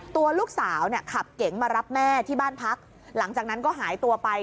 ตัวลูกสาวเนี่ยขับเก๋งมารับแม่ที่บ้านพักหลังจากนั้นก็หายตัวไป